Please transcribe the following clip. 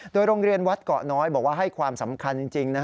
โดยโรงเรียนวัดเกาะน้อยบอกว่าให้ความสำคัญจริง